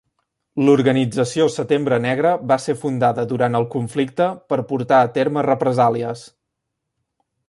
L'organització Setembre Negre va ser fundada durant el conflicte per portar a terme represàlies.